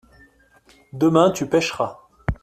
Demain tu pêcheras.